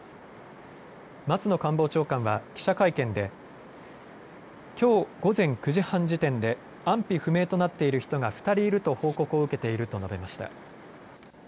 松野官房長官は記者会見できょう午前９時半時点で安否不明となっている人が２人いると報告を受けていると述べました。